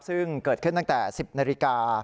ซึ่งเกิดขึ้นตั้งแต่๑๐นาฬิกา